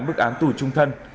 mức án tù trung thân